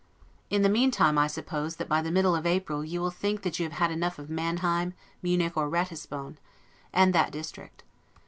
In the meantime, I suppose, that by the middle of April, you will think that you have had enough of Manheim, Munich, or Ratisbon, and that district.